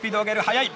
速い！